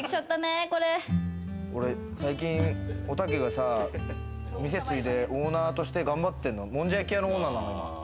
俺、最近、おたけがさ、店ついで、オーナーとして頑張ってるの、もんじゃ焼き屋のオーナーなの今。